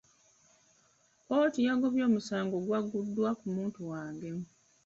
Kkooti yagobye omusango ogwagguddwa ku muntu wange.